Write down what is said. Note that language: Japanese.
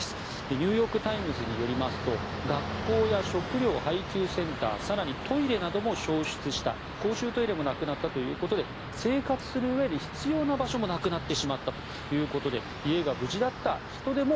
ニューヨーク・タイムズによりますと学校や食料配給センター更にトイレなども焼失した公衆トイレもなくなったということで生活するうえで必要な場所もなくなってしまったということで家が無事だった人でも